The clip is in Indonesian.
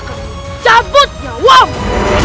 aku akan cabut nyawamu